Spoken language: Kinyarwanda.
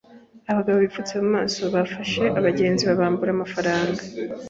Abagabo bipfutse mu maso bafashe abagenzi babambura amafaranga.